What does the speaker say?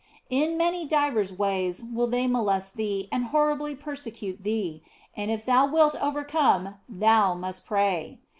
In many divers ways will they molest thee and horribly persecute thee, and if thou wilt overcome thou must pray.